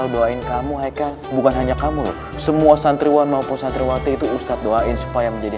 doain kamu haika bukan hanya kamu semua santriwan maupun santriwati itu ustadz doain supaya menjadi